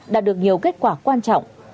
đã được nhiều kết quả quan trọng